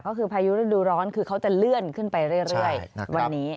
ก็คือพายุฤดูร้อนคือเขาจะเลื่อนขึ้นไปเรื่อยวันนี้